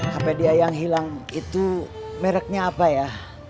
sampai dia yang hilang itu mereknya apa ya